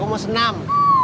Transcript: gua mau senam